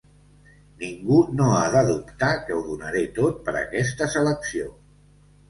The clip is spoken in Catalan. Ningú no ha de dubtar que ho donaré tot per aquesta selecció.